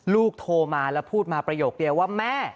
โทรมาแล้วพูดมาประโยคเดียวว่าแม่